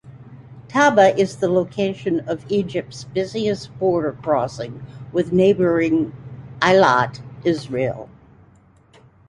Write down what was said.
Taba is the location of Egypt's busiest border crossing with neighbouring Eilat, Israel.